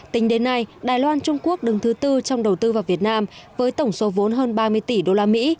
tính đến nay đài loan trung quốc đứng thứ tư trong đầu tư vào việt nam với tổng số vốn hơn ba mươi tỷ đô la mỹ